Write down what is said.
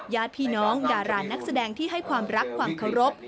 ญาติพี่น้องดารานักแสดงที่ให้ความรักความเคารพ